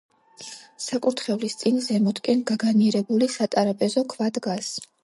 საკურთხევლის წინ, ზემოთკენ გაგანიერებული სატრაპეზო ქვა დგას.